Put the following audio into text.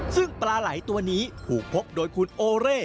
ซึ่งปลาไหล่ตัวนี้ถูกพบโดยคุณโอเร่